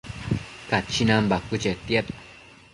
Cachinan bacuë chetiad